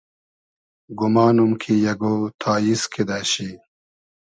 گومانوم کی اگۉ تاییز کیدۂ شی